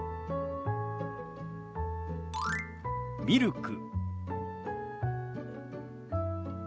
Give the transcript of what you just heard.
「ミルク」。